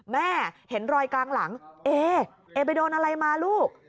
เห็นรอยกลางหลังเอเอไปโดนอะไรมาลูก